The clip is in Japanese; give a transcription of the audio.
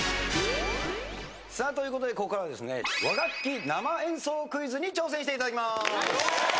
さあということでここからはですね和楽器生演奏クイズに挑戦していただきます。